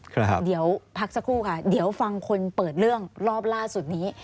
เดี๋ยวพักสักครู่ค่ะเดี๋ยวฟังคนเปิดเรื่องรอบล่าสุดนี้